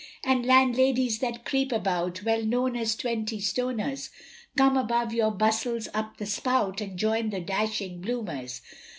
And landladies that creep about, Well known as twenty stoners, Come shove your bustles up the spout, And join the dashing bloomers.